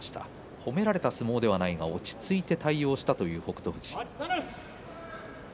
褒められた相撲ではないが落ち着いて対応したという北勝富士。